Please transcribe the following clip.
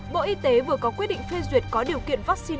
bộ y tế vừa có quyết định phê duyệt có điều kiện vaccine